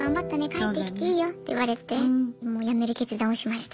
帰ってきていいよ」って言われてやめる決断をしました。